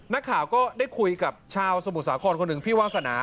นักข่าวก็ได้คุยกับชาวสมุทรสาครคนหนึ่งพี่วาสนา